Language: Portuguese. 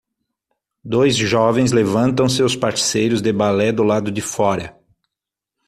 Dois jovens levantam seus parceiros de balé do lado de fora.